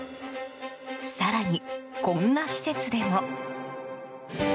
更に、こんな施設でも。